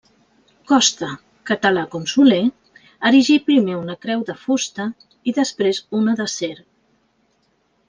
Costa, català com Soler, erigí primer una creu de fusta i després una d'acer.